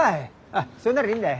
あっそれならいいんだ。